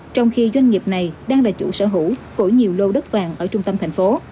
trong khi doanh nghiệp này đang là chủ sở hữu của nhiều lô đất vàng ở trung tâm thành phố